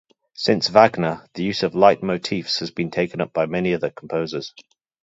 Since Wagner, the use of leitmotifs has been taken up by many other composers.